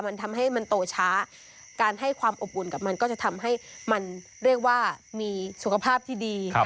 มันทำให้มันโตช้าการให้ความอบอุ่นกับมันก็จะทำให้มันเรียกว่ามีสุขภาพที่ดี